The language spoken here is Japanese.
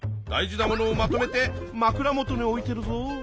大事なものをまとめてまくら元に置いてるぞ。